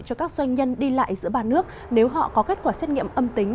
cho các doanh nhân đi lại giữa ba nước nếu họ có kết quả xét nghiệm âm tính